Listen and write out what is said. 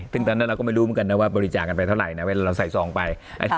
ซึ่งตอนนั้นเราก็ไม่รู้เหมือนกันนะว่าบริจาคกันไปเท่าไหร่นะเวลาเราใส่ซองไป